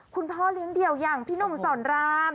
คุณพ่อเลี้ยงเดี่ยวอย่างพี่หนุ่มสอนราม